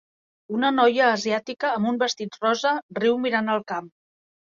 Una noia asiàtica amb un vestit rosa riu mirant el camp